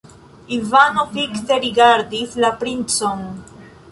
Ivano fikse rigardis la princon.